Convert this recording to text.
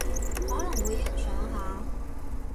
可能會欣賞下